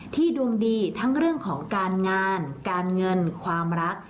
ดวงดีทั้งเรื่องของการงานการเงินความรัก